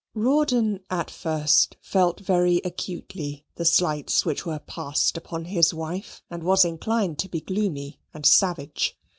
Rawdon at first felt very acutely the slights which were passed upon his wife, and was inclined to be gloomy and savage.